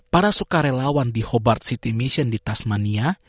para sukarelawan di hobart city mission di tasmania